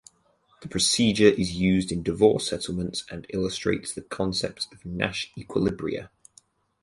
The procedure is used in divorce settlements and illustrates the concept of Nash equilibria.